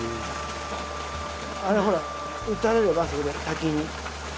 あれほら打たれればあそこで滝に。